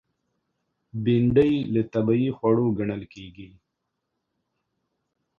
بېنډۍ له طبیعي خوړو ګڼل کېږي